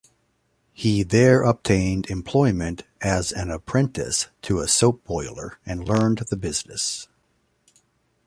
He there obtained employment as an apprentice to a soap-boiler, and learned the business.